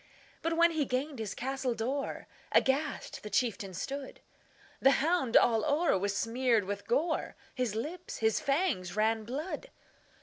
But, when he gained his castle door, Aghast the chieftain stood; The hound all o'er was smeared with gore, His lips, his fangs, ran blood.